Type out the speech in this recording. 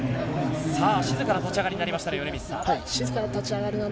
静かな立ち上がりになりましたね米満さん。